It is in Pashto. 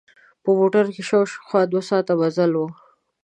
په موټر کې شاوخوا دوه ساعته مزل و.